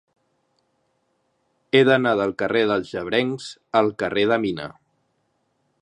He d'anar del carrer dels Llebrencs al carrer de Mina.